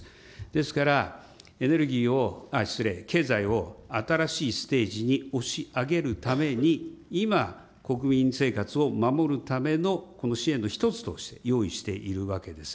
ですから、エネルギーを、失礼、経済を新しいステージに押し上げるために、今、国民生活を守るためのこの支援の一つとして用意しているわけです。